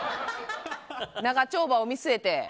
長丁場を見据えて。